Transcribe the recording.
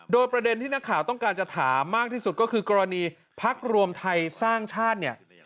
โดยประเด็นที่นักข่าวต้องการจะถามมากที่สุดก็คือกรณีพักรวมไทยสร้างชาติเนี่ย